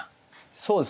そうですね